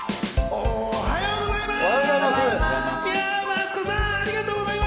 おはようございます！